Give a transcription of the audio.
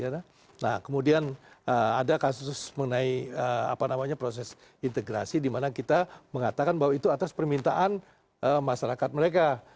nah kemudian ada kasus mengenai proses integrasi dimana kita mengatakan bahwa itu atas permintaan masyarakat mereka